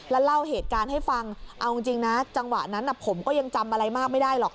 แล้วเล่าเหตุการณ์ให้ฟังเอาจริงนะจังหวะนั้นผมก็ยังจำอะไรมากไม่ได้หรอก